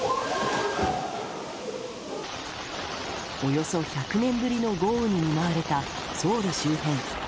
およそ１００年ぶりの豪雨に見舞われたソウル周辺。